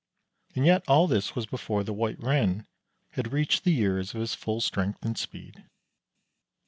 And yet all this was before the White Ren had reached the years of his full strength and speed.